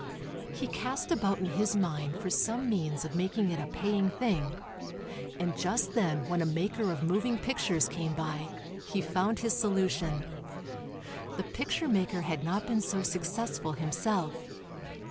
He cast about in his mind for some means of making it a paying thing, and just then when a maker of moving pictures came by he found his solution. The picture maker had not been so successful himself.